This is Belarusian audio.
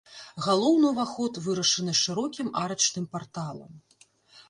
Галоўны ўваход вырашаны шырокім арачным парталам.